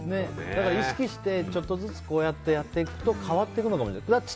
だから意識してちょっとずつこうやっていくと変わっていくのかもしれない。